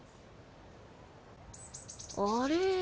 あれ？